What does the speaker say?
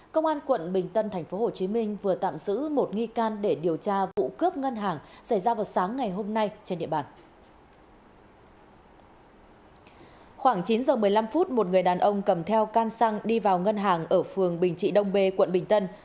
cảm ơn các bạn đã theo dõi